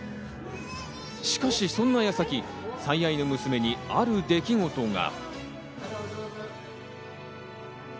しかし、そんな矢先、最愛の娘にある出来事が。